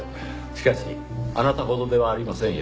しかしあなたほどではありませんよ。